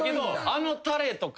あのタレとか。